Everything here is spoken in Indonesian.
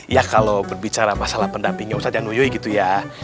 ya kalo berbicara masalah pendampingnya usahanya nuyui gitu ya